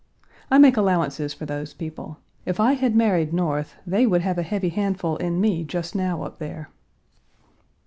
I make allowances for those people. If I had married North, they would have a heavy handful in me just now up there.